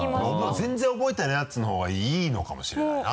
全然覚えてないやつのほうがいいのかもしれないな。